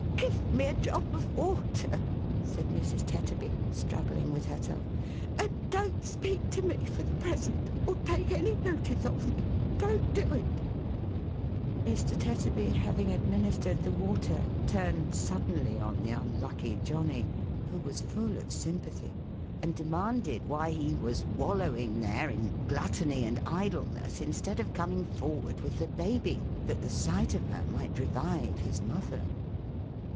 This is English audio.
11 " Gi've me a drop of water,11 said Mrs. Tetterby, struggling with herself, "and don't speak to me for the present, or take any notice of me. Don't do it !" Mr. Tetterby having administered the water, turned sud denly on the unlucky Johnny (who was full of sympathy), and demanded why he was wallowing there, in gluttony and idleness, instead of coming forward with the baby, that the sight of her might revive his mother.